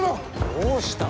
どうした。